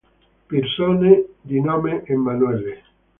Persone di nome Emanuele